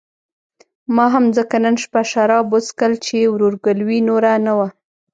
ما هم ځکه نن شپه شراب وڅښل چې ورورګلوي نوره نه وه.